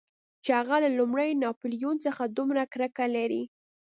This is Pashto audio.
چې هغه له لومړي ناپلیون څخه دومره کرکه لري.